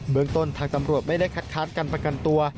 เมืองต้นทางตำรวจไม่ได้คัดค้านการประกันตัว